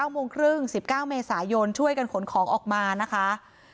โมงครึ่ง๑๙เมษายนช่วยกันขนของออกมานะคะ